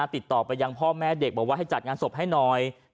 ติดต่อไปยังพ่อแม่เด็กบอกว่าให้จัดงานศพให้หน่อย